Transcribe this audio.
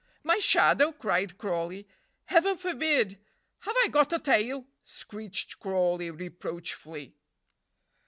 "My shadow!" cried Crawley; "Heaven forbid! Have I got a tail?" screeched Crawley, reproachfully.